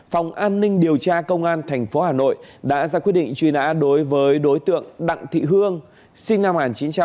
phòng an ninh điều tra công an thành phố hà nội đã ra quyết định truy nã đối với đối tượng đặng thị hương sinh năm một nghìn chín trăm chín mươi một